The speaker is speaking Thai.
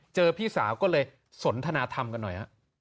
พี่สาวก็เลยสนทนาธรรมกันหน่อยฮะ